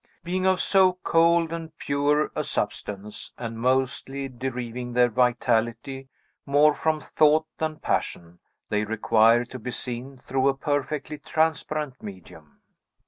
Being of so cold and pure a substance, and mostly deriving their vitality more from thought than passion, they require to be seen through a perfectly transparent medium.